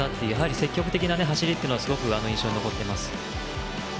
積極的な走りはすごく印象に残っています。